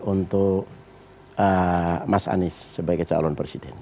untuk mas anies sebagai calon presiden